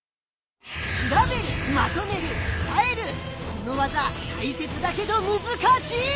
この技たいせつだけどむずかしい！